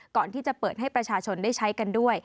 ก่อนที่จะเปิดให้ประชาชนได้ใช้กันด้วย